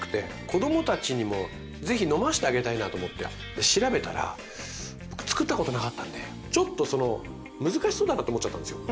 子供たちにも是非飲ませてあげたいなと思って調べたら僕つくったことなかったんでちょっとその難しそうだなって思っちゃったんですよ。